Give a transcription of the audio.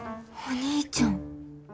お兄ちゃん。